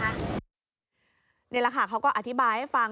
นี่แหละค่ะเขาก็อธิบายให้ฟัง